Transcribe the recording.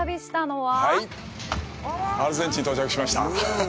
はいっ、アルゼンチンに到着しました。